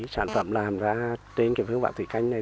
sản phẩm làm ra trên cái phương pháp thủy canh này